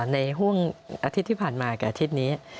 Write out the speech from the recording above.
ในห่วงอาทิตย์ที่ผ่านมากับอาทิตย์นี้